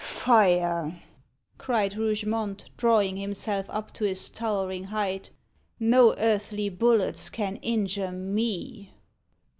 "Fire!" cried Rougemont, drawing himself up to his towering height. "No earthly bullets can injure me."